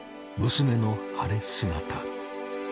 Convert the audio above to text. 娘の晴れ姿。